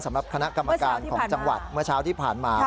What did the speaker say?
สำหรับคณะกรรมการของจังหวัดเมื่อเช้าที่ผ่านมา